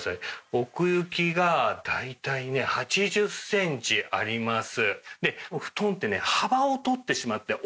奥行きが大体ね８０センチあります。